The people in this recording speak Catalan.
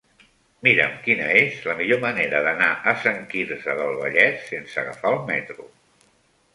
Mira'm quina és la millor manera d'anar a Sant Quirze del Vallès sense agafar el metro.